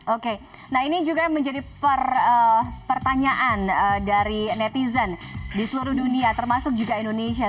oke nah ini juga yang menjadi pertanyaan dari netizen di seluruh dunia termasuk juga indonesia